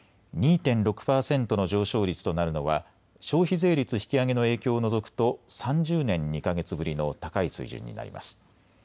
２．６％の上昇率となるのは消費税率引き上げの影響を除くと３０年２か月ぶりの高い水準になります。